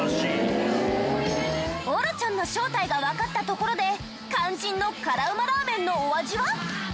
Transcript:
オロチョンの正体がわかったところで肝心の辛ウマラーメンのお味は？